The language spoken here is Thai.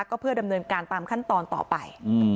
ก็เพื่อดำเนินการตามขั้นตอนต่อไป